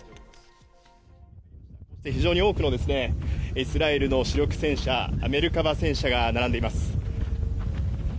そして非常に多くのですね、イスラエルの主力戦車・メルカバ戦車が並んでいます。